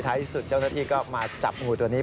ที่สุดเจ้าหน้าที่ก็มาจับงูตัวนี้